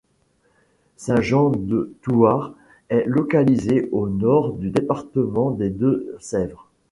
Saint-Jean-de-Thouars est localisée au nord du département des Deux-Sèvres.